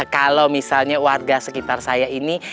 kalau misalnya warga sekitar saya ini